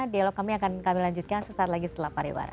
dialog kami akan kami lanjutkan sesaat lagi setelah pariwara